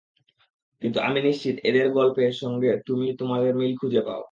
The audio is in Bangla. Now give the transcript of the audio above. কিন্তু আমি নিশ্চিত এঁদের গল্পের সঙ্গে তুমি তোমার মিল খুঁজে পাও।